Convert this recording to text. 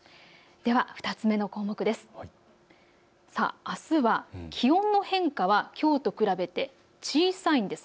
では２つ目の項目です。